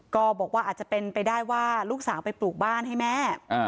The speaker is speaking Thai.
ก็บอกว่าอาจจะเป็นไปได้ว่าลูกสาวไปปลูกบ้านให้แม่